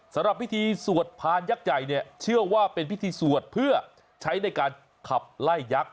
สำหรับพิธีสวดพานยักษ์ใหญ่เนี่ยเชื่อว่าเป็นพิธีสวดเพื่อใช้ในการขับไล่ยักษ์